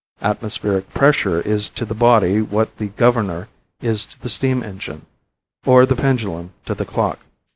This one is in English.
Atmospheric pressure is to the body what the governor is to the steam engine, or the pendulum to the clock.